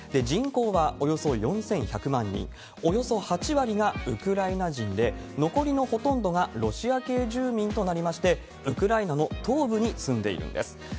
人口はおよそ４１００万人、およそ８割がウクライナ人で、残りのほとんどがロシア系住民となりまして、ウクライナの東部に住んでいるんです。